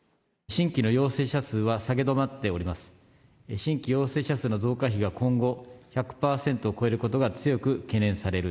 新規陽性者数の増加比が、今後、１００％を超えることが強く懸念される。